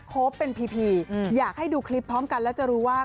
ครบเป็นพีพีอยากให้ดูคลิปพร้อมกันแล้วจะรู้ว่า